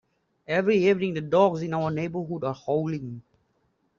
Every evening, the dogs in our neighbourhood are howling.